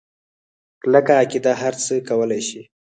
کلکه عقیده هرڅه کولی شي.